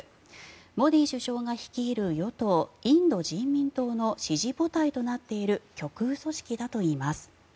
モディ首相が率いる与党・インド人民党の支持母体となっている極右組織だといいます。